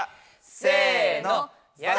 せの。